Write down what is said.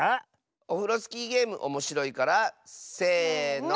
オフロスキーゲームおもしろいからせの。